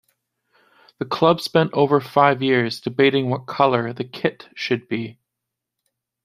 The club spent over five years debating what colour the kit should be.